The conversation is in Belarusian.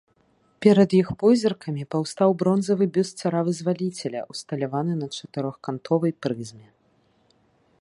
Перад іх позіркамі паўстаў бронзавы бюст цара-вызваліцеля ўсталяваны на чатырохкантовай прызме.